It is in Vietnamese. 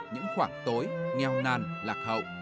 những khoảng tối nghèo nàn lạc hậu